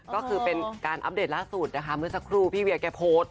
ก็คือเป็นการอัปเดตล่าสุดนะคะเมื่อสักครู่พี่เวียแกโพสต์